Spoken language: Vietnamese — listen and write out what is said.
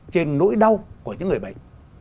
trên nỗi đau của những người bệnh